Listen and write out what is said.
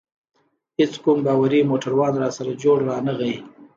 هیڅ کوم باوري موټروان راسره جوړ رانه غی.